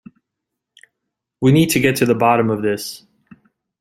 We need to get the bottom of this